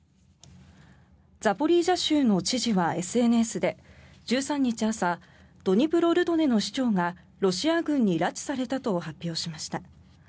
ザポリージャ州の知事はＳＮＳで１３日朝ドニプロルドネの市長がロシア軍に拉致されたと発表しました。